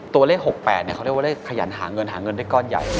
ตัวเลข๖๘เขาเรียกว่าเลขขยันหาเงินหาเงินได้ก้อนใหญ่